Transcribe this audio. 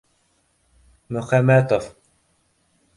— Мөхәмәтов!